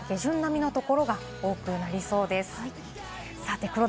４月中旬から下旬並みの所が多くなりそうです。